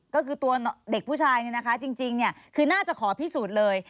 ก็คือตัวเด็กผู้ชายจริงน่าจะขอพิสูจน์เลย